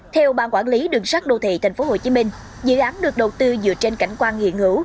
theo ban quản lý đường sắt đô thị tp hcm dự án được đầu tư dựa trên cảnh quan hiện hữu